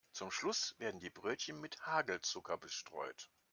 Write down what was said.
Zum Schluss werden die Brötchen mit Hagelzucker bestreut.